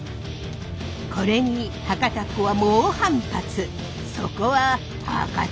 これに博多っ子は猛反発！